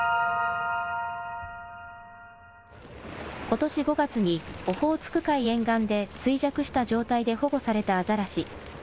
ことし５月にオホーツク海沿岸で衰弱した状態で保護されたアザラシ。